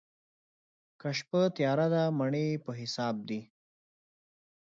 که شپه تياره ده، مڼې په حساب دي.